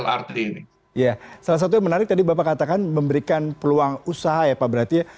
lrt ini ya salah satu yang menarik tadi bapak katakan memberikan peluang usaha ya pak berarti ya